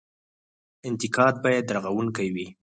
انتقاد باید رغونکی وي